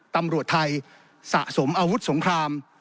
ตำรวจไทยสะสมอาวุธสงคราม